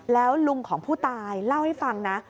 แล้วลุงของผู้ตายเล่าให้ฟังนะ